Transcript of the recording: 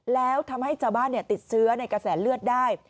แล้วทำให้ชาวบ้านติดเชื้อในกระแสเลือดได้